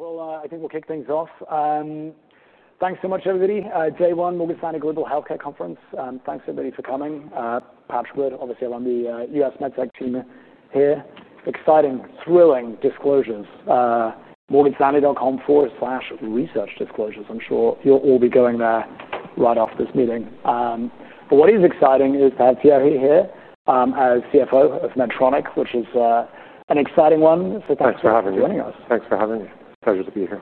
I think we'll kick things off. Thanks so much, everybody. Day one, Morgan Stanley Global Healthcare Conference. Thanks, everybody, for coming. Patrick Wood, obviously, I'm on the U.S. MedTech team here. Exciting, thrilling disclosures. Morganstanley.com/researchdisclosures. I'm sure you'll all be going there right after this meeting. What is exciting is that you're here as CFO of Medtronic, which is an exciting one. Thanks for having me. Joining us. Thanks for having me. Pleasure to be here.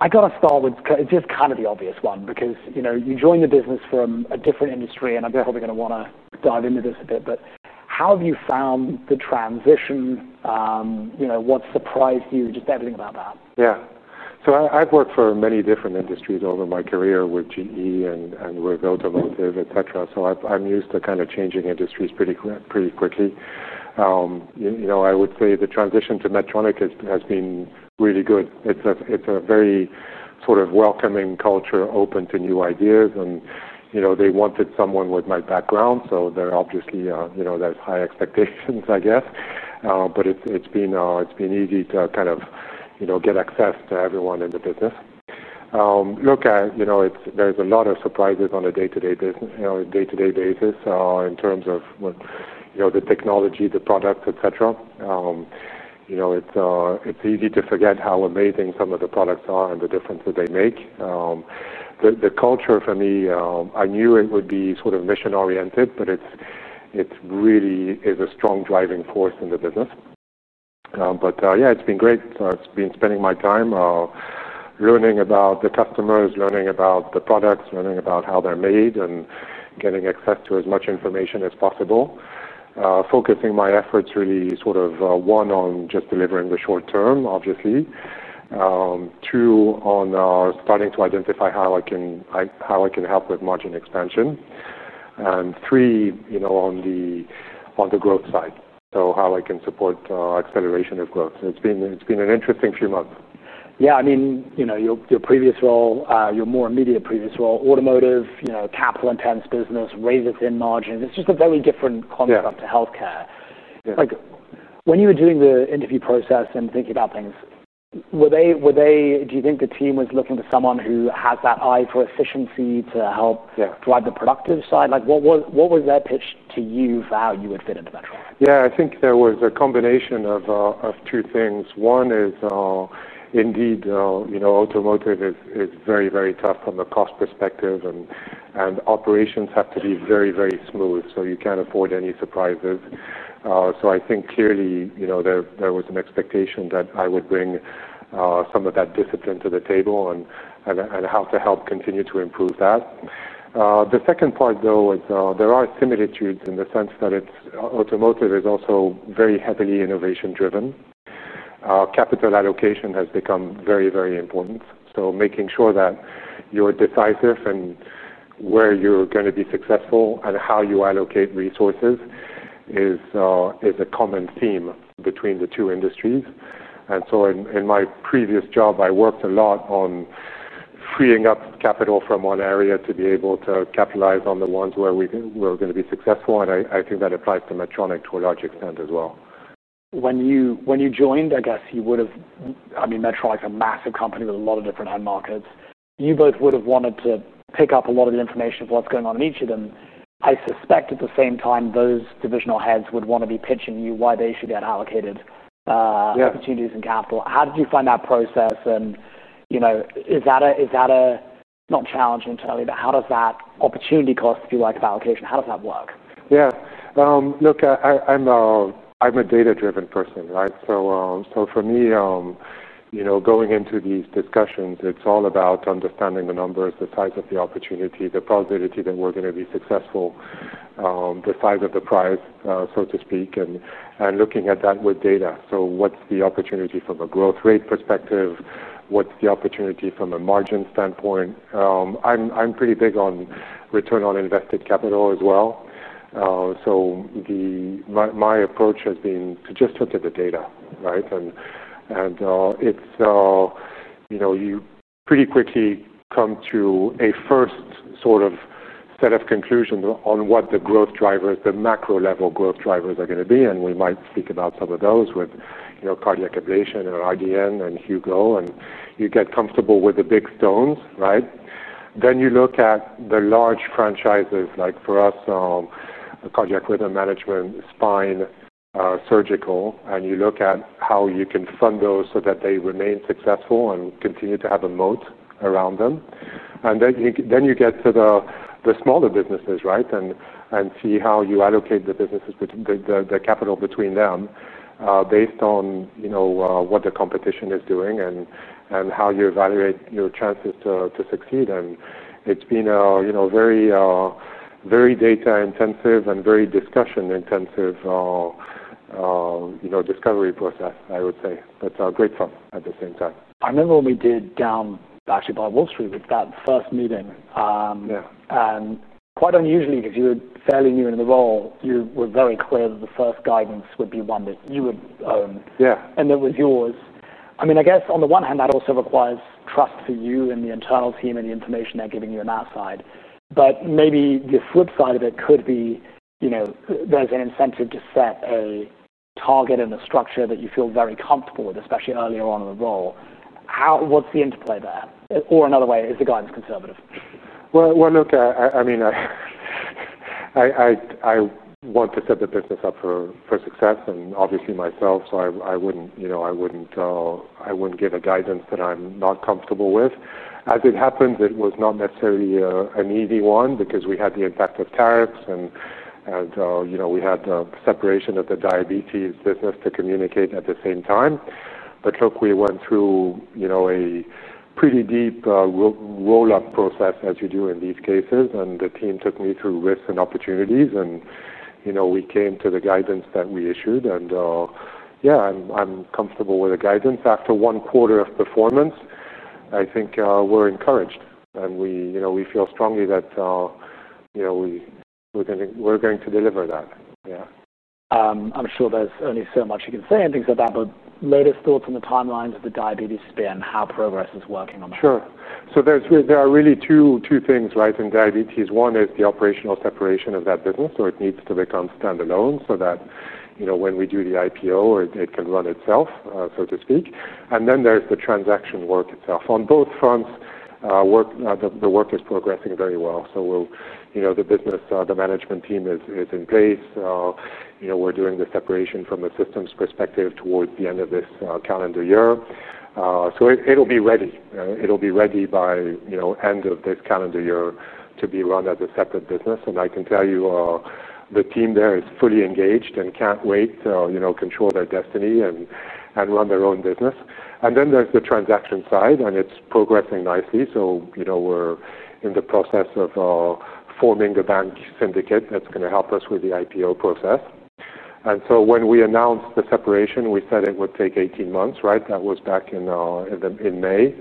I got to start with just kind of the obvious one because, you know, you joined the business from a different industry, and I'm probably going to want to dive into this a bit. How have you found the transition? You know, what surprised you? Just everything about that. Yeah. I've worked for many different industries over my career with GE and with automotive, etc. I'm used to kind of changing industries pretty quickly. I would say the transition to Medtronic has been really good. It's a very sort of welcoming culture, open to new ideas. They wanted someone with my background. There are obviously high expectations, I guess. It's been easy to get access to everyone in the business. There are a lot of surprises on a day-to-day basis in terms of the technology, the products, etc. It's easy to forget how amazing some of the products are and the difference that they make. The culture for me, I knew it would be sort of mission-oriented, but it really is a strong driving force in the business. It's been great. I've been spending my time learning about the customers, learning about the products, learning about how they're made, and getting access to as much information as possible. Focusing my efforts really, one, on just delivering the short term, obviously. Two, on starting to identify how I can help with margin expansion. Three, on the growth side, how I can support acceleration of growth. It's been an interesting few months. Yeah, I mean, your previous role, your more immediate previous role, automotive, you know, capital intense business, raise it in margin. It's just a very different concept to healthcare. Like when you were doing the interview process and thinking about things, do you think the team was looking for someone who had that eye for efficiency to help drive the productive side? What was their pitch to you while you had been in the bedroom? Yeah, I think there was a combination of two things. One is, indeed, you know, automotive is very, very tough from the cost perspective, and operations have to be very, very smooth. You can't afford any surprises. I think clearly, you know, there was an expectation that I would bring some of that discipline to the table and help continue to improve that. The second part, though, is there are similitudes in the sense that automotive is also very heavily innovation-driven. Capital allocation has become very, very important. Making sure that you're decisive in where you're going to be successful and how you allocate resources is a common theme between the two industries. In my previous job, I worked a lot on freeing up capital from one area to be able to capitalize on the ones where we were going to be successful. I think that applies to Medtronic to a large extent as well. When you joined, I guess you would have, I mean, Medtronic is a massive company with a lot of different head markets. You both would have wanted to pick up a lot of the information of what's going on in each of them. I suspect at the same time, those divisional heads would want to be pitching you why they should get allocated opportunities and capital. How did you find that process? Is that a challenge internally, but how does that opportunity cost, if you like, of allocation, how does that work? Yeah, look, I'm a data-driven person, right? For me, you know, going into these discussions, it's all about understanding the numbers, the size of the opportunity, the probability that we're going to be successful, the size of the prize, so to speak, and looking at that with data. What's the opportunity from a growth rate perspective? What's the opportunity from a margin standpoint? I'm pretty big on return on invested capital as well. My approach has been to just look at the data, right? You pretty quickly come to a first sort of set of conclusions on what the growth drivers, the macro-level growth drivers are going to be. We might speak about some of those with, you know, Cardiac Ablation Solutions or RDN and Hugo, and you get comfortable with the big stones, right? You look at the large franchises, like for us, cardiac rhythm management, spine, surgical, and you look at how you can fund those so that they remain successful and continue to have a moat around them. You get to the smaller businesses, right, and see how you allocate the businesses, the capital between them, based on, you know, what the competition is doing and how you evaluate your chances to succeed. It's been a very, very data-intensive and very discussion-intensive discovery process, I would say. Great fun at the same time. I remember when we did, down actually by Wall Street with that first meeting. Yeah. And quite unusually, because you were fairly new in the role, you were very clear that the first guidance would be one that you would own. Yeah. And that was yours. I mean, I guess on the one hand, that also requires trust for you and the internal team and the information they're giving you on our side. Maybe the flip side of it could be, you know, there's an incentive to set a target and a structure that you feel very comfortable with, especially earlier on in the role. How, what's the interplay there? Another way, is the guidance conservative? I want to set the business up for success and obviously myself. I wouldn't give a guidance that I'm not comfortable with. As it happens, it was not necessarily an easy one because we had the impact of tariffs, and we had the separation of the diabetes business to communicate at the same time. We went through a pretty deep roll-up process as we do in these cases. The team took me through risks and opportunities, and we came to the guidance that we issued. I'm comfortable with the guidance. After one quarter of performance, I think we're encouraged, and we feel strongly that we're going to deliver that. I'm sure there's only so much you can say, but latest thoughts on the timelines of the diabetes spin, how progress is working on that. Sure. There are really two things, right, in diabetes. One is the operational separation of that business, so it needs to become standalone so that, you know, when we do the IPO, it can run itself, so to speak. Then there's the transaction work itself. On both fronts, the work is progressing very well. The business, the management team is in place. We're doing the separation from the systems perspective towards the end of this calendar year, so it'll be ready. It'll be ready by end of this calendar year to be run as a separate business. I can tell you, the team there is fully engaged and can't wait to, you know, control their destiny and run their own business. There's the transaction side, and it's progressing nicely. We're in the process of forming the bank syndicate that's going to help us with the IPO process. When we announced the separation, we said it would take 18 months, right? That was back in May.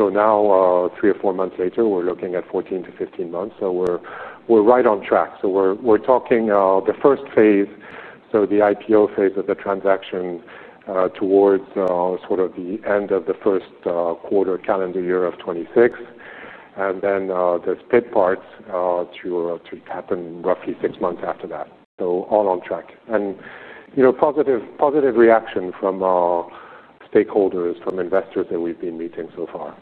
Now, three or four months later, we're looking at 14-15 months. We're right on track. We're talking the first phase, the IPO phase of the transaction, towards the end of the first quarter calendar year of 2026. The split parts to happen roughly six months after that. All on track. Positive reaction from stakeholders, from investors that we've been meeting so far.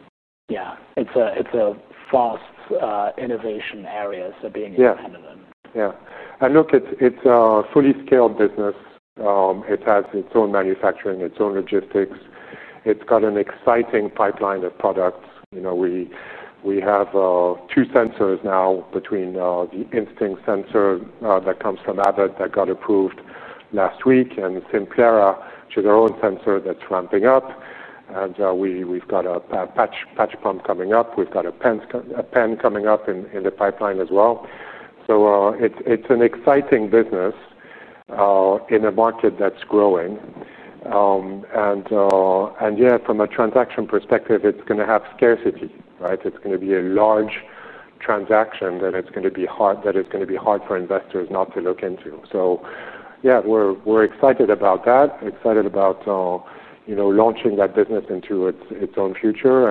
Yeah, it's a fast innovation area, so being independent of them. Yeah. It's a fully scaled business. It has its own manufacturing, its own logistics. It's got an exciting pipeline of products. We have two sensors now between the Instinct sensor that comes from Abbott that got approved last week and Simplera, which is our own sensor that's ramping up. We've got a patch pump coming up. We've got a pen coming up in the pipeline as well. It's an exciting business in a market that's growing. From a transaction perspective, it's going to have scarcity, right? It's going to be a large transaction that it's going to be hard for investors not to look into. We're excited about that. Excited about launching that business into its own future.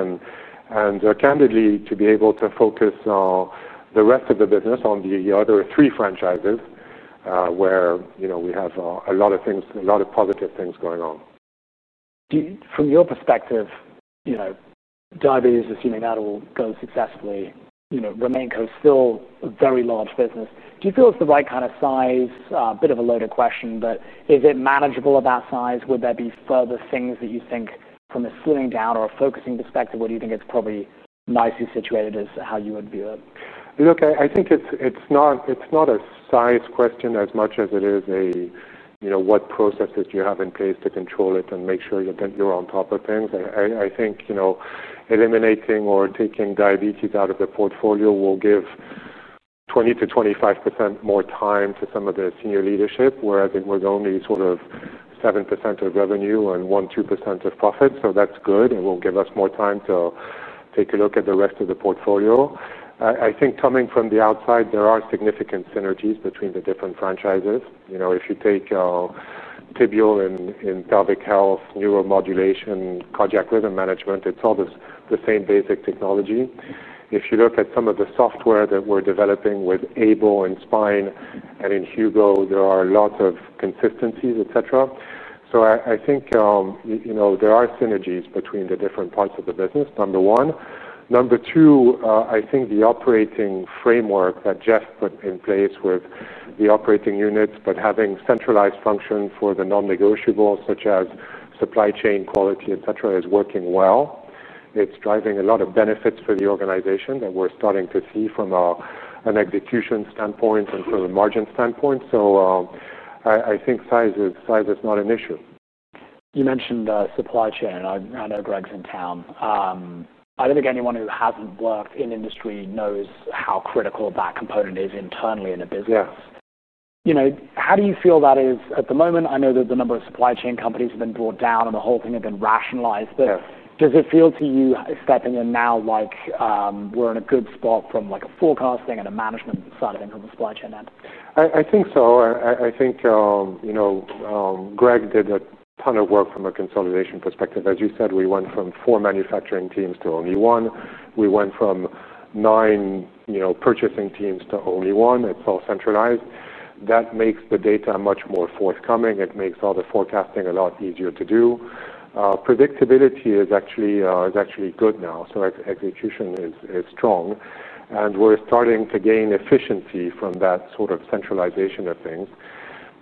Candidly, to be able to focus the rest of the business on the other three franchises, where we have a lot of things, a lot of positive things going on. From your perspective, you know, diabetes, assuming that will go successfully, you know, RemainCo is still a very large business. Do you feel it's the right kind of size? A bit of a loaded question, but is it manageable about size? Would there be further things that you think from a slimming down or a focusing perspective, or do you think it's probably nicely situated as how you would view it? Look, I think it's not a size question as much as it is, you know, what processes do you have in place to control it and make sure that you're on top of things. I think, you know, eliminating or taking Diabetes out of the portfolio will give 20%-25% more time to some of the senior leadership, whereas it was only sort of 7% of revenue and 1%-2% of profit. That's good. It will give us more time to take a look at the rest of the portfolio. I think coming from the outside, there are significant synergies between the different franchises. You know, if you take tibial and in Pelvic Health, Neuromodulation, Cardiac Rhythm Management, it's all the same basic technology. If you look at some of the software that we're developing with AiBLE and spine and in Hugo, there are lots of consistencies, etc. I think, you know, there are synergies between the different parts of the business, number one. Number two, I think the operating framework that Geoff put in place with the operating units, but having centralized function for the non-negotiables such as supply chain, quality, etc., is working well. It's driving a lot of benefits for the organization that we're starting to see from an execution standpoint and from a margin standpoint. I think size is not an issue. You mentioned the supply chain. I know Greg's in town. I don't think anyone who hasn't worked in industry knows how critical that component is internally in a business. Yes. How do you feel that is at the moment? I know that the number of supply chain companies have been brought down and the whole thing has been rationalized. Does it feel to you now like we're in a good spot from a forecasting and a management side of income supply chain end? I think so. I think, you know, Greg did a ton of work from a consolidation perspective. As you said, we went from four manufacturing teams to only one. We went from nine, you know, purchasing teams to only one. It's all centralized. That makes the data much more forthcoming. It makes all the forecasting a lot easier to do. Predictability is actually good now. Execution is strong, and we're starting to gain efficiency from that sort of centralization of things.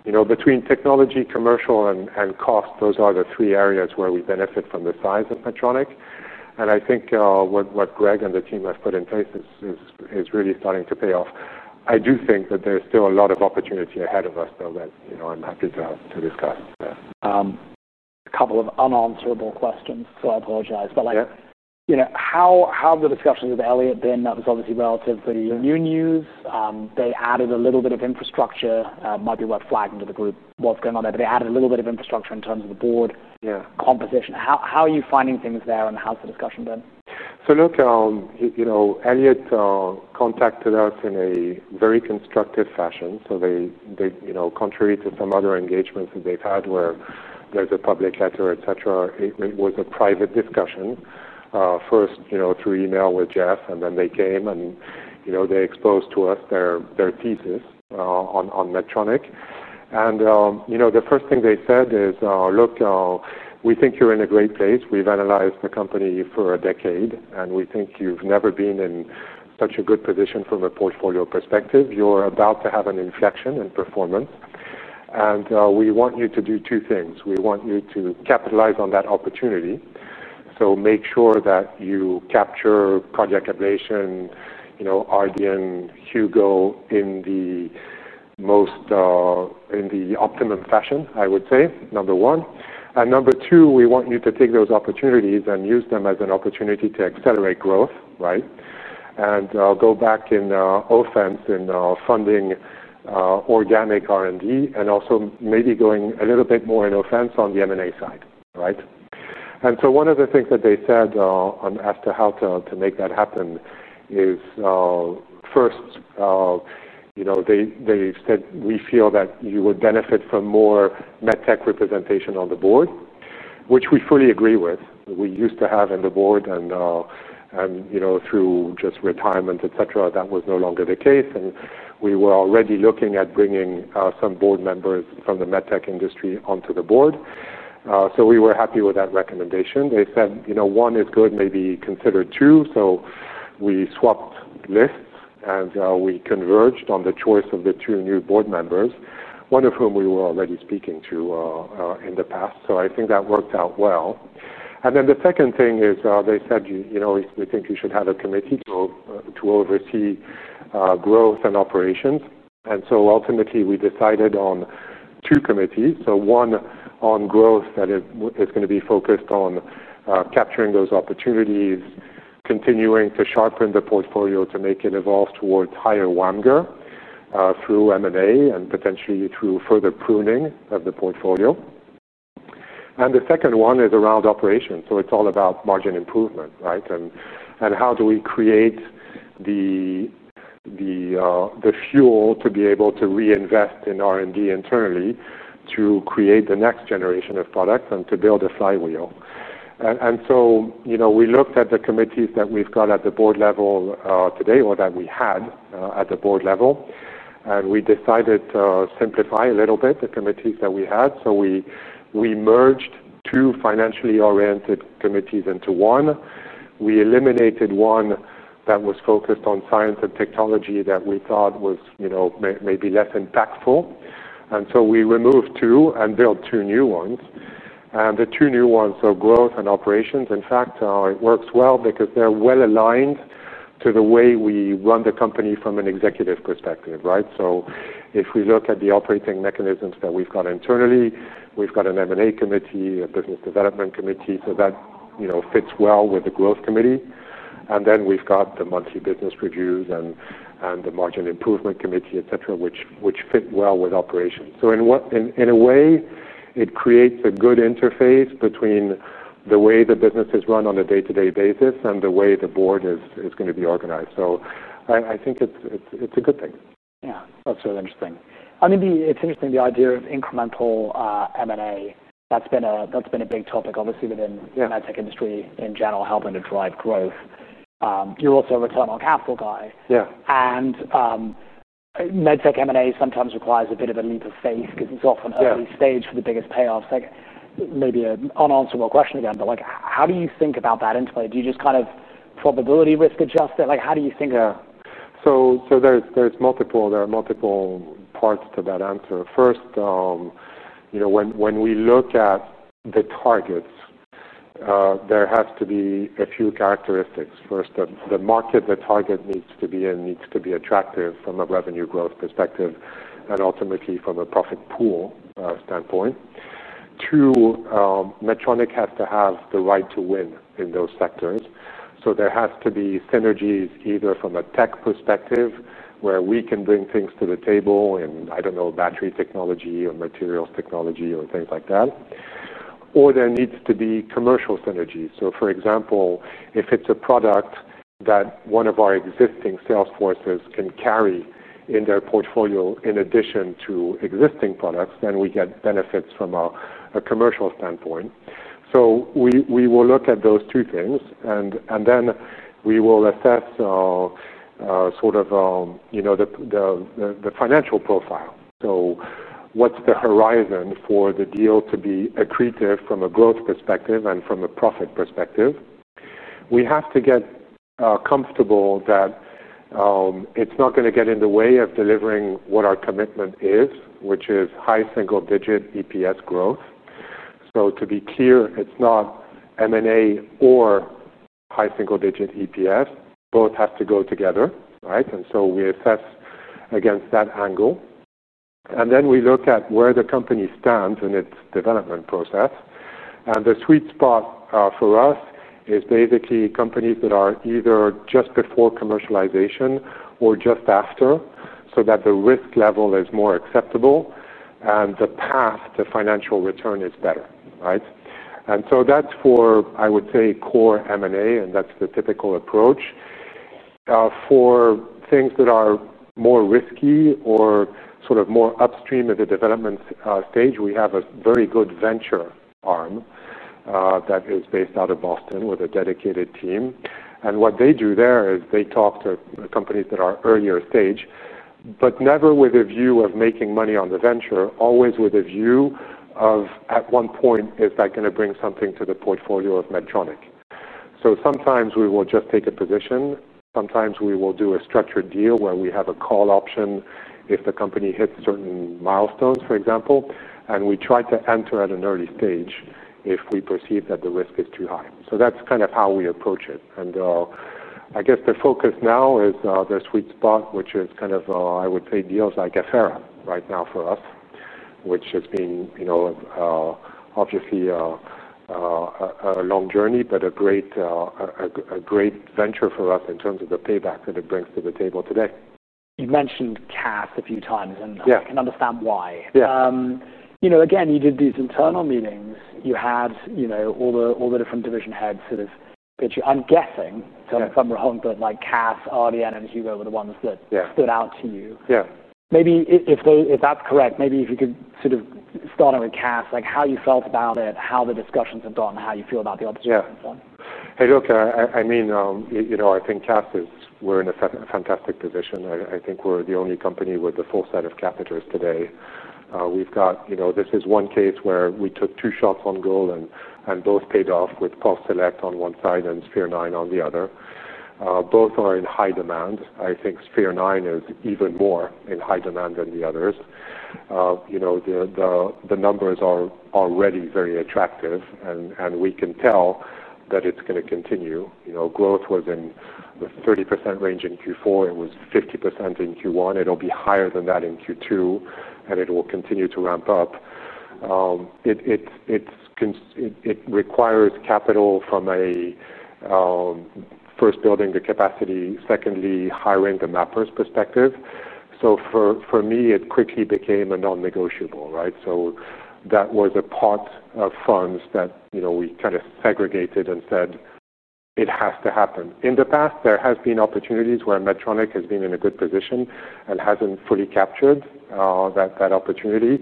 You know, between technology, commercial, and cost, those are the three areas where we benefit from the size of Medtronic. I think what Greg and the team have put in place is really starting to pay off. I do think that there's still a lot of opportunity ahead of us, though, that, you know, I'm happy to discuss. Yeah. A couple of unanswerable questions, so I apologize. How have the discussions with Elliott been? That was obviously relative to your new news. They added a little bit of infrastructure. It might be worth flagging to the group what's going on there. They added a little bit of infrastructure in terms of the board composition. How are you finding things there and how's the discussion been? Look, you know, Elliott contacted us in a very constructive fashion. They, you know, contrary to some other engagements that they've had where there's a public letter, etc., it was a private discussion. First, through email with Geoff, and then they came and exposed to us their thesis on Medtronic. The first thing they said is, look, we think you're in a great place. We've analyzed the company for a decade, and we think you've never been in such a good position from a portfolio perspective. You're about to have an inflection in performance. We want you to do two things. We want you to capitalize on that opportunity. Make sure that you capture Cardiac Ablation, Hugo in the optimum fashion, I would say, number one. Number two, we want you to take those opportunities and use them as an opportunity to accelerate growth, right? Go back on offense in funding organic R&D and also maybe going a little bit more on offense on the M&A side, right? One of the things that they said as to how to make that happen is, first, they said we feel that you would benefit from more MedTech representation on the board, which we fully agree with. We used to have that on the board and, through just retirement, etc., that was no longer the case. We were already looking at bringing some board members from the MedTech industry onto the board, so we were happy with that recommendation. They said, you know, one is good, maybe consider two. We swapped lists and we converged on the choice of the two new board members, one of whom we were already speaking to in the past. I think that worked out well. The second thing is, they said, you know, we think you should have a committee to oversee growth and operations. Ultimately, we decided on two committees. One on growth that is going to be focused on capturing those opportunities, continuing to sharpen the portfolio to make it evolve towards higher WAMGR, through M&A and potentially through further pruning of the portfolio. The second one is around operations. It's all about margin improvement, right? How do we create the fuel to be able to reinvest in R&D internally to create the next generation of products and to build a flywheel? We looked at the committees that we've got at the board level today or that we had at the board level. We decided to simplify a little bit the committees that we had. We merged two financially oriented committees into one. We eliminated one that was focused on science and technology that we thought was maybe less impactful. We removed two and built two new ones. The two new ones are growth and operations. In fact, it works well because they're well aligned to the way we run the company from an executive perspective, right? If we look at the operating mechanisms that we've got internally, we've got an M&A committee, a business development committee, so that fits well with the growth committee. We've got the monthly business reviews and the margin improvement committee, etc., which fit well with operations. In a way, it creates a good interface between the way the business is run on a day-to-day basis and the way the board is going to be organized. I think it's a good thing. Yeah. That's really interesting. I mean, it's interesting, the idea of incremental M&A. That's been a big topic, obviously, within the medtech industry in general, helping to drive growth. You're also a return on capital guy. Yeah, and medtech M&A sometimes requires a bit of a leap of faith because it's often a stage for the biggest payoffs. Like maybe an unanswerable question again, but how do you think about that interplay? Do you just kind of probability risk adjust it? How do you think? Yeah. There are multiple parts to that answer. First, when we look at the targets, there have to be a few characteristics. First, the market the target needs to be in needs to be attractive from a revenue growth perspective and ultimately from a profit pool standpoint. Two, Medtronic has to have the right to win in those sectors. There have to be synergies either from a tech perspective where we can bring things to the table in, I don't know, battery technology or materials technology or things like that. There needs to be commercial synergies. For example, if it's a product that one of our existing sales forces can carry in their portfolio in addition to existing products, then we get benefits from a commercial standpoint. We will look at those two things. We will assess, sort of, the financial profile. What's the horizon for the deal to be accretive from a growth perspective and from a profit perspective? We have to get comfortable that it's not going to get in the way of delivering what our commitment is, which is high single-digit EPS growth. To be clear, it's not M&A or high single-digit EPS. Both have to go together, right? We assess against that angle. We look at where the company stands in its development process. The sweet spot for us is basically companies that are either just before commercialization or just after so that the risk level is more acceptable and the path to financial return is better, right? That's for, I would say, core M&A, and that's the typical approach. For things that are more risky or sort of more upstream of the development stage, we have a very good venture arm that is based out of Boston with a dedicated team. What they do there is they talk to companies that are earlier stage, but never with a view of making money on the venture, always with a view of at one point, is that going to bring something to the portfolio of Medtronic? Sometimes we will just take a position. Sometimes we will do a structured deal where we have a call option if the company hits certain milestones, for example. We try to enter at an early stage if we perceive that the risk is too high. That's kind of how we approach it. I guess the focus now is the sweet spot, which is kind of, I would say, deals like Affera right now for us, which has been, you know, obviously, a long journey, but a great venture for us in terms of the payback that it brings to the table today. You mentioned CAS a few times, and I can understand why. You did these internal meetings. You had all the different division heads sort of pitch you. I'm guessing, tell me if I'm wrong, but CAS, RDN, and Hugo were the ones that stood out to you. Maybe if that's correct, maybe if you could sort of start out with CAS, like how you felt about it, how the discussions have gone, how you feel about the opportunity and so on. Yeah. Hey, look, I mean, I think CAS is, we're in a fantastic position. I think we're the only company with the full set of catheters today. We've got, you know, this is one case where we took two shots on goal and both paid off with PulseSelect on one side and Sphere 9 on the other. Both are in high demand. I think Spher- 9 is even more in high demand than the others. You know, the numbers are already very attractive, and we can tell that it's going to continue. Growth was in the 30% range in Q4. It was 50% in Q1. It'll be higher than that in Q2, and it will continue to ramp up. It requires capital from, first, building the capacity, secondly, hiring the mappers' perspective. For me, it quickly became a non-negotiable, right? That was a pot of funds that we kind of segregated and said, it has to happen. In the past, there have been opportunities where Medtronic has been in a good position and hasn't fully captured that opportunity.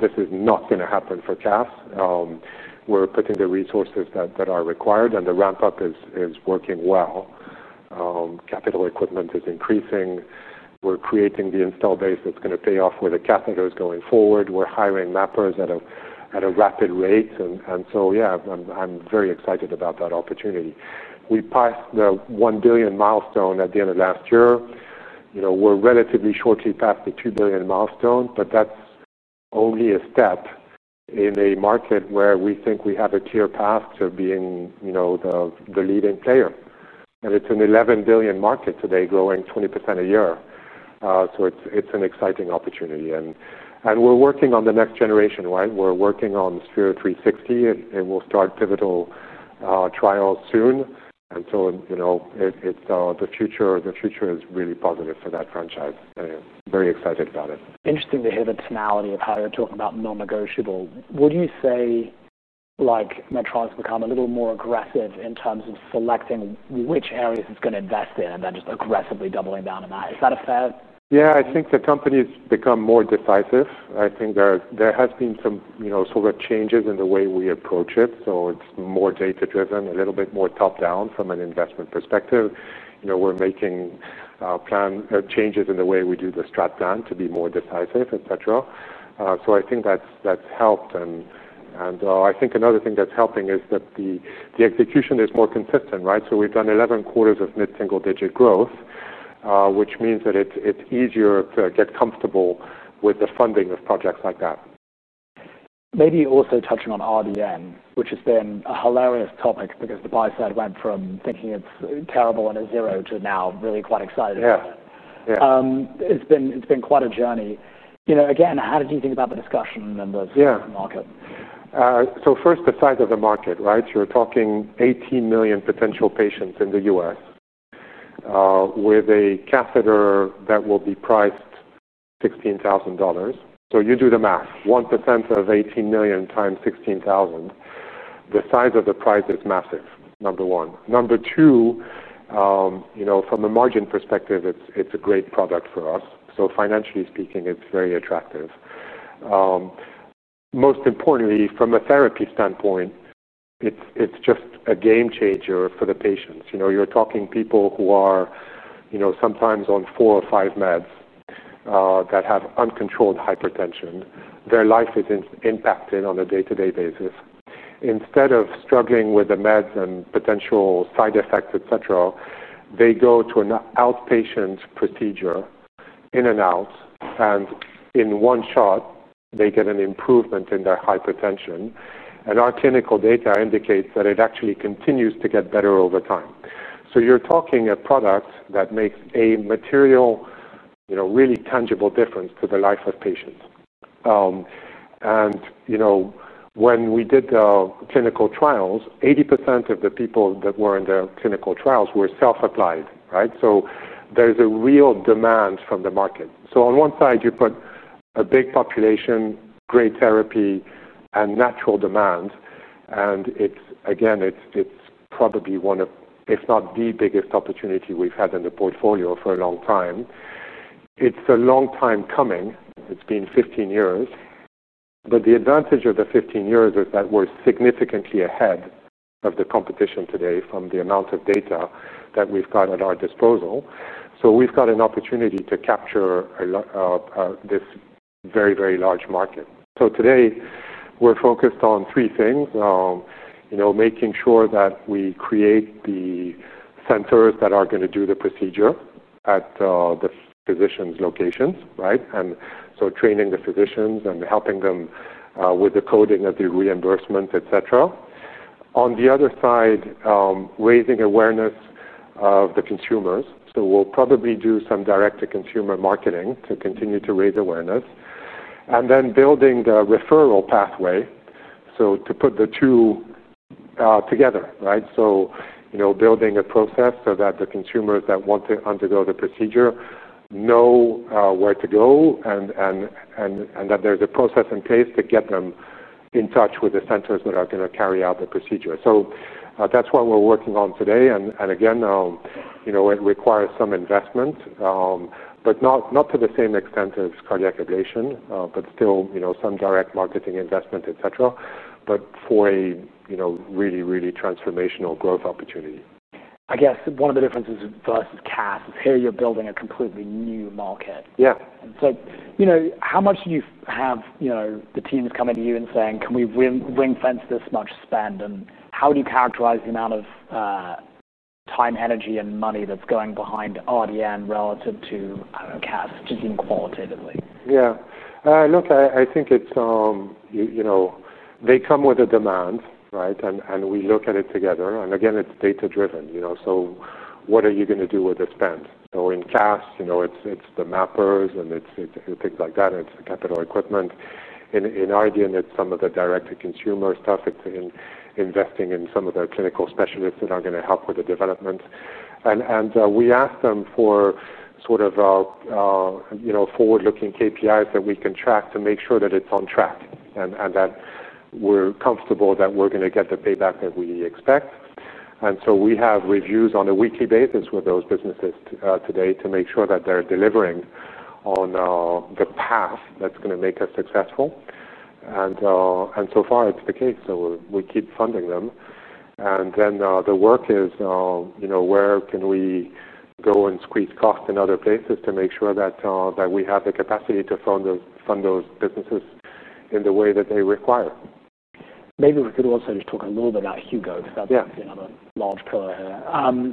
This is not going to happen for CAS. We're putting the resources that are required, and the ramp-up is working well. Capital equipment is increasing. We're creating the install base that's going to pay off with the catheters going forward. We're hiring mappers at a rapid rate. Yeah, I'm very excited about that opportunity. We passed the $1 billion milestone at the end of last year. We're relatively shortly past the $2 billion milestone, but that's only a step in a market where we think we have a clear path to being the leading player. It's an $11 billion market today, growing 20% a year. It's an exciting opportunity, and we're working on the next generation, right? We're working on Sphere-360, and we'll start pivotal trials soon. The future is really positive for that franchise. Very excited about it. Interesting to hear the tonality of how they're talking about non-negotiable. Would you say Medtronic's become a little more aggressive in terms of selecting which areas it's going to invest in and then just aggressively doubling down on that? Is that a fad? I think the company's become more decisive. There have been some changes in the way we approach it. It's more data-driven, a little bit more top-down from an investment perspective. We're making our plan changes in the way we do the strat plan to be more decisive, etc. I think that's helped. I think another thing that's helping is that the execution is more consistent, right? We've done 11 quarters of mid single-digit growth, which means that it's easier to get comfortable with the funding of projects like that. Maybe also touching on RDN, which has been a hilarious topic because the buy side went from thinking it's terrible and a zero to now really quite excited about it. It's been quite a journey. You know, again, how did you think about the discussion and the size of the market? First, the size of the market, right? You're talking 18 million potential patients in the U.S. with a catheter that will be priced at $16,000. You do the math. 1% of 18 million times $16,000. The size of the price is massive, number one. Number two, from a margin perspective, it's a great product for us. Financially speaking, it's very attractive. Most importantly, from a therapy standpoint, it's just a game changer for the patients. You're talking people who are sometimes on four or five meds that have uncontrolled hypertension. Their life is impacted on a day-to-day basis. Instead of struggling with the meds and potential side effects, etc., they go to an outpatient procedure in and out. In one shot, they get an improvement in their hypertension. Our clinical data indicates that it actually continues to get better over time. You're talking a product that makes a material, really tangible difference to the life of patients. When we did the clinical trials, 80% of the people that were in the clinical trials were self-applied, right? There's a real demand from the market. On one side, you put a big population, great therapy, and natural demand. It's probably one of, if not the biggest opportunity we've had in the portfolio for a long time. It's a long time coming. It's been 15 years. The advantage of the 15 years is that we're significantly ahead of the competition today from the amount of data that we've got at our disposal. We've got an opportunity to capture this very, very large market. Today, we're focused on three things: making sure that we create the centers that are going to do the procedure at the physicians' locations, right? Training the physicians and helping them with the coding of the reimbursement, etc. On the other side, raising awareness of the consumers. We'll probably do some direct-to-consumer marketing to continue to raise awareness. Then building the referral pathway to put the two together, right? Building a process so that the consumers that want to undergo the procedure know where to go and that there's a process in place to get them in touch with the centers that are going to carry out the procedure. That's what we're working on today. It requires some investment, but not to the same extent as Cardiac Ablation, but still some direct marketing investment, etc., for a really, really transformational growth opportunity. I guess one of the differences for us is CAS. It's here you're building a completely new market. Yeah. How much do you have the teams coming to you and saying, "Can we ring-fence this much spend?" How would you characterize the amount of time, energy, and money that's going behind RDN relative to, I don't know, CAS, just even qualitatively? Yeah, look, I think it's, you know, they come with a demand, right? We look at it together. Again, it's data-driven, you know. What are you going to do with the spend? In CAS, you know, it's the mappers and it's things like that, and it's the capital equipment. In RDN, it's some of the direct-to-consumer stuff. It's investing in some of the clinical specialists that are going to help with the development. We ask them for sort of, you know, forward-looking KPIs that we can track to make sure that it's on track and that we're comfortable that we're going to get the payback that we expect. We have reviews on a weekly basis with those businesses today to make sure that they're delivering on the path that's going to make us successful. So far, it's the case. We keep funding them. The work is, you know, where can we go and squeeze costs in other places to make sure that we have the capacity to fund those businesses in the way that they require? Maybe we could also just talk a little bit about Hugo because that's another large pillar here.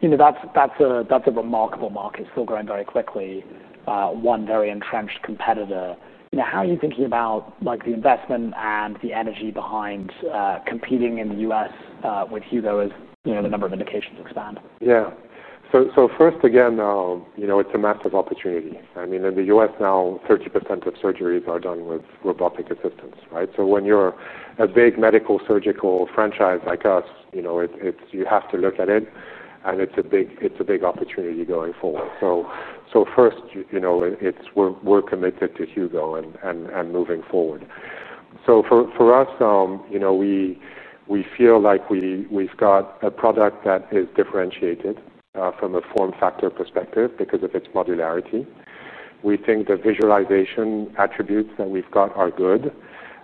You know, that's a remarkable market. It's still growing very quickly. One very entrenched competitor. You know, how are you thinking about the investment and the energy behind competing in the U.S. with Hugo as the number of indications expand? Yeah. First, again, you know, it's a massive opportunity. I mean, in the U.S. now, 30% of surgeries are done with robotic assistance, right? When you're a big medical surgical franchise like us, you have to look at it. It's a big opportunity going forward. First, you know, we're committed to Hugo and moving forward. For us, you know, we feel like we've got a product that is differentiated from a form factor perspective because of its modularity. We think the visualization attributes that we've got are good.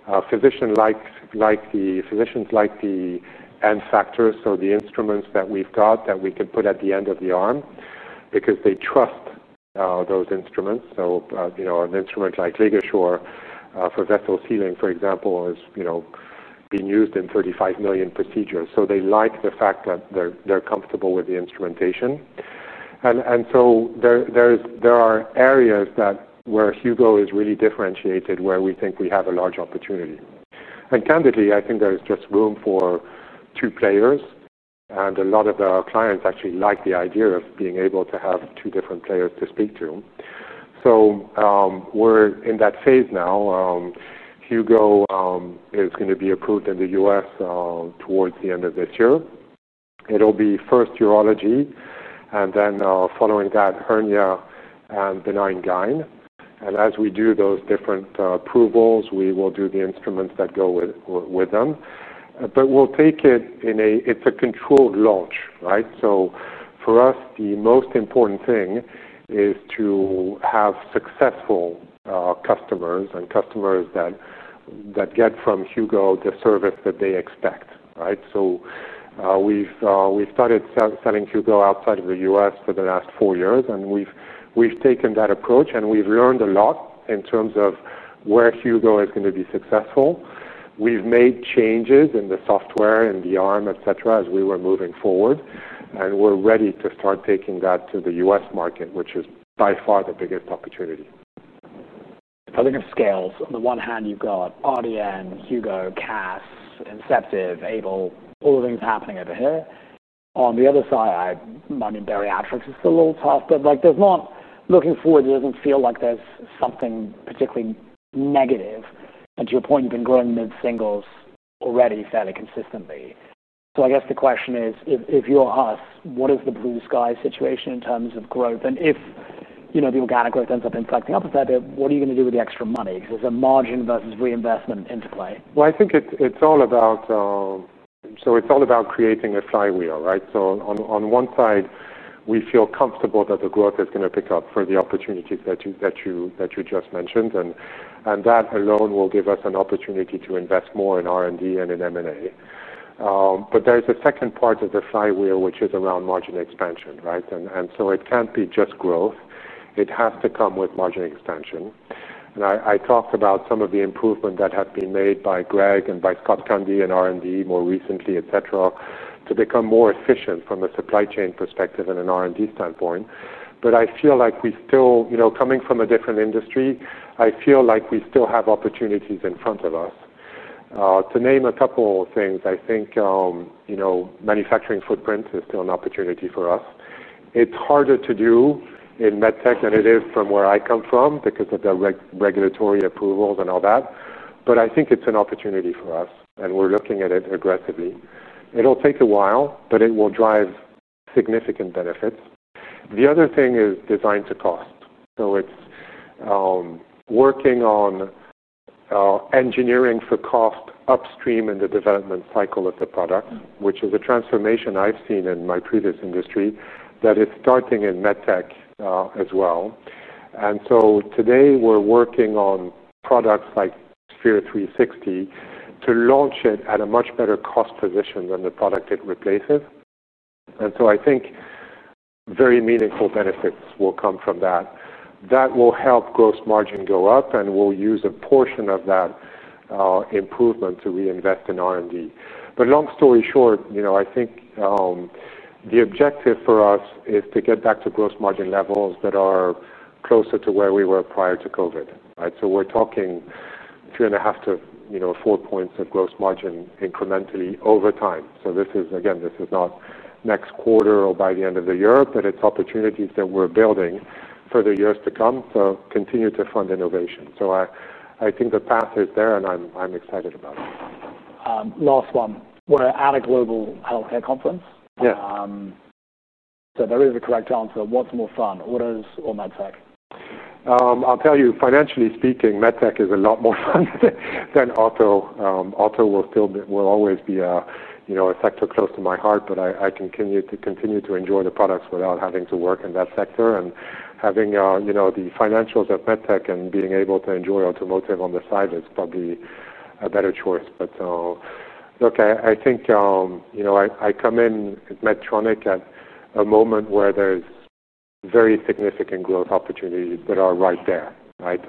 The physicians like the end factors, so the instruments that we've got that we could put at the end of the arm because they trust those instruments. An instrument like LigaSure for vessel sealing, for example, is being used in 35 million procedures. They like the fact that they're comfortable with the instrumentation. There are areas where Hugo is really differentiated where we think we have a large opportunity. Candidly, I think there is just room for two players. A lot of our clients actually like the idea of being able to have two different players to speak to. We're in that phase now. Hugo is going to be approved in the U.S. towards the end of this year. It'll be first urology and then, following that, hernia and benign GYN. As we do those different approvals, we will do the instruments that go with them. We'll take it in a controlled launch, right? For us, the most important thing is to have successful customers and customers that get from Hugo the service that they expect, right? We've started selling Hugo outside of the U.S. for the last four years. We've taken that approach and we've learned a lot in terms of where Hugo is going to be successful. We've made changes in the software and the arm, etc., as we were moving forward. We're ready to start taking that to the U.S. market, which is by far the biggest opportunity. On the one hand, you've got RDN, Hugo, CAS, Inceptiv, AiBLE, all the things happening over here. On the other side, I imagine bariatrics is still a little tough, but looking forward, it doesn't feel like there's something particularly negative. To your point, you've been growing mid-singles already fairly consistently. I guess the question is, if you're us, what is the blue sky situation in terms of growth? If the organic growth ends up inflecting up a fair bit, what are you going to do with the extra money? Because there's a margin versus reinvestment interplay. I think it's all about creating a flywheel, right? On one side, we feel comfortable that the growth is going to pick up for the opportunities that you just mentioned, and that alone will give us an opportunity to invest more in R&D and in M&A. There's a second part of the flywheel, which is around margin expansion, right? It can't be just growth. It has to come with margin expansion. I talked about some of the improvements that have been made by Greg and by Scott Cundy in R&D more recently, etc., to become more efficient from a supply chain perspective and an R&D standpoint. I feel like we still, you know, coming from a different industry, I feel like we still have opportunities in front of us. To name a couple of things, I think manufacturing footprint is still an opportunity for us. It's harder to do in MedTech than it is from where I come from because of the regulatory approvals and all that, but I think it's an opportunity for us, and we're looking at it aggressively. It'll take a while, but it will drive significant benefits. The other thing is design-to-cost, so it's working on engineering for cost upstream in the development cycle of the product, which is a transformation I've seen in my previous industry that is starting in MedTech as well. Today, we're working on products like Sphere-360 to launch it at a much better cost position than the product it replaces. I think very meaningful benefits will come from that. That will help gross margin go up, and we'll use a portion of that improvement to reinvest in R&D. Long story short, I think the objective for us is to get back to gross margin levels that are closer to where we were prior to COVID, right? We're talking three and a half to four points of gross margin incrementally over time. This is not next quarter or by the end of the year, but it's opportunities that we're building for the years to come to continue to fund innovation. I think the path is there, and I'm excited about it. Last one. We're at a global healthcare conference. There is a correct answer. What's more fun, autos or MedTech? I'll tell you, financially speaking, MedTech is a lot more fun than auto. Auto will always be a sector close to my heart, but I continue to enjoy the products without having to work in that sector. Having the financials of MedTech and being able to enjoy automotive on the side is probably a better choice. Look, I think I come in at Medtronic at a moment where there's very significant growth opportunities that are right there, right?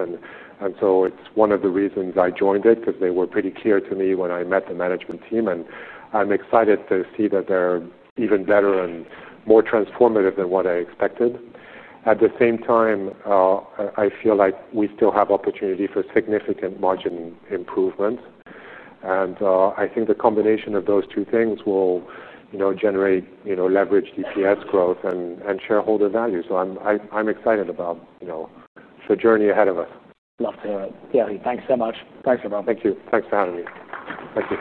It's one of the reasons I joined it because they were pretty clear to me when I met the management team. I'm excited to see that they're even better and more transformative than what I expected. At the same time, I feel like we still have opportunity for significant margin improvements. I think the combination of those two things will generate leverage EPS growth and shareholder value. I'm excited about the journey ahead of us. Love to hear it. Gary, thanks so much. Thanks, everyone. Thank you. Thanks for having me. Thank you.